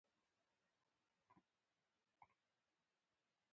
مونټریال د ګیمونو لپاره مشهور دی.